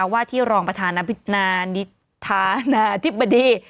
ว่าที่รองประธานาธิบดี